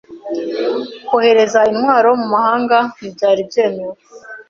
Kohereza intwaro mu mahanga ntibyari byemewe .